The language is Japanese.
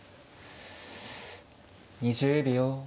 ２０秒。